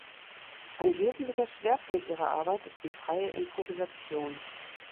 Ein wesentlicher Schwerpunkt ihrer Arbeit ist die freie Improvisation.